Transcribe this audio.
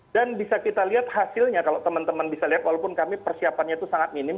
dan bisa kita lihat hasilnya kalau teman teman bisa lihat walaupun kami persiapannya itu sangat minim